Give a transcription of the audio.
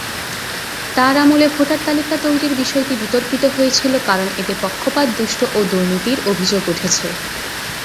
তার আমলে ভোটার তালিকা তৈরির বিষয়টি বিতর্কিত হয়েছিল, কারণ এতে পক্ষপাতদুষ্ট ও দুর্নীতির অভিযোগ উঠেছে।